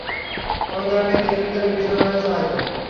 কোনো ধরনের কেমিক্যালের বিস্ফোরন হয়েছে হয়তো!